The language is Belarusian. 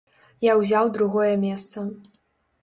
Я ўзяў другое месца.